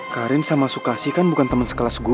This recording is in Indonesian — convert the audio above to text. karin sama sukasih kan bukan temen sekelas gua